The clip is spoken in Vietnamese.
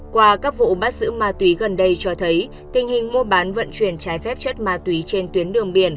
qua các vụ bắt giữ ma túy gần đây cho thấy tình hình mua bán vận chuyển trái phép chất ma túy trên tuyến đường biển